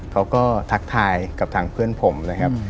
ทักทายกับทางเพื่อนผมเลยครับ